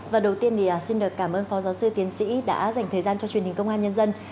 đầu tiên xin cảm ơn phó giáo sư tiến sĩ đã dành thời gian cho truyền hình công an nhân dân